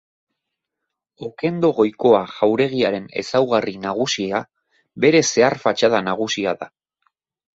Okendo Goikoa jauregiaren ezaugarri nagusia bere zehar-fatxada nagusia da.